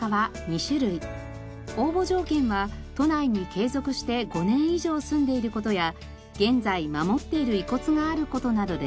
応募条件は都内に継続して５年以上住んでいる事や現在守っている遺骨がある事などです。